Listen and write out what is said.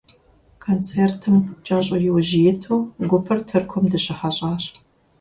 Концертым кӀэщӀу иужь иту, гупыр Тыркум дыщыхьэщӀащ.